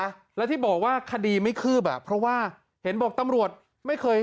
นะแล้วที่บอกว่าคดีไม่คืบอ่ะเพราะว่าเห็นบอกตำรวจไม่เคย